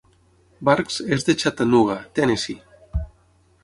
Barks és de Chattanooga, Tennessee.